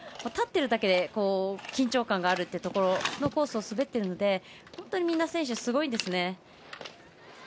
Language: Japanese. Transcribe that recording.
立ってるだけで緊張感があるというところのコースを滑っているので本当に選手みんなすごいんですね。